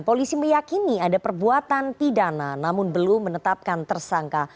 polisi meyakini ada perbuatan pidana namun belum menetapkan tersangka